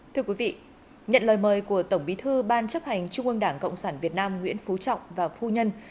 thưa quý vị nhận lời mời của tổng bí thư ban chấp hành trung ương đảng cộng sản việt nam nguyễn phú trọng và phu nhân